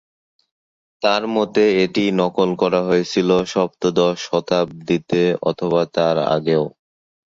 তাঁর মতে, এটি নকল করা হয়েছিল সপ্তদশ শতাব্দীতে অথবা তারও আগে।